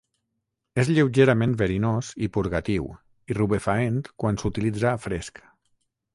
És lleugerament verinós i purgatiu i rubefaent quan s'utilitza fresc.